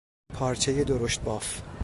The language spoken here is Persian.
پارچهی درشت بافت